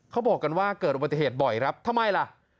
เขาบอกกันว่าเกิดอุบัติเหตุบ่อยครับทำไมล่ะ